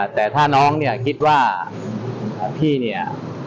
แต่ถ้าน้องเนี่ยคิดว่าพี่เนี่ย